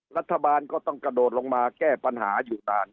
รัฐบาลก็ต้องกระโดดลงมาแก้ปัญหาอยู่นาน